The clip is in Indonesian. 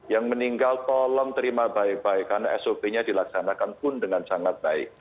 yang meninggal tolong terima baik baik karena sop nya dilaksanakan pun dengan sangat baik